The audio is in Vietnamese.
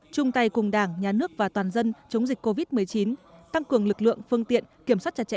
chung tay cùng đảng nhà nước và toàn dân chống dịch covid một mươi chín tăng cường lực lượng phương tiện kiểm soát chặt chẽ